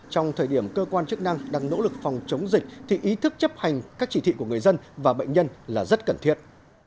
trong thời điểm cơ quan chức năng đang nỗ lực phòng chống dịch thì ý thức chấp hành các chỉ thị của người dân và bệnh nhân là rất cần thiết